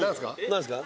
何ですか？